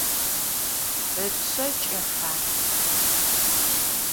Ipşse ç'ıhe.